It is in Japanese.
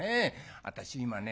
私今ね